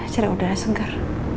coba udara segar